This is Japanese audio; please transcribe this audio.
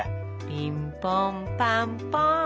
「ピンポンパンポン」